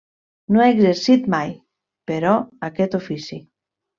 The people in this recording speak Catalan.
No ha exercit mai, però aquest ofici.